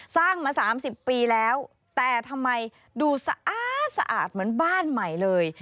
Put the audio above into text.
สร้างมา๓๐ปีแล้วแต่ทำไมดูสะอาดเหมือนบ้านใหม่เลย